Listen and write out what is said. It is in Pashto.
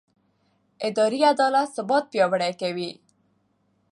اداري عدالت ثبات پیاوړی کوي